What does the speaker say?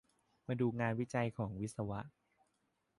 มาดูงานวิจัยของวิศวะ